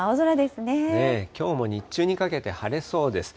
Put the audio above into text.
きょうも日中にかけて晴れそうです。